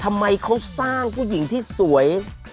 ทำไมเขาสร้างผู้หญิงที่สวย